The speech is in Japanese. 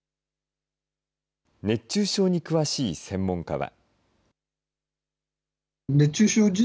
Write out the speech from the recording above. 熱中症に詳しい専門家は。